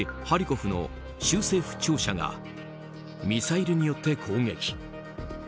ハリコフの州政府庁舎がミサイルによって攻撃。